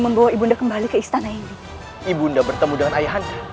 membawa ibunda kembali ke istana ini ibunda bertemu dengan ayah anda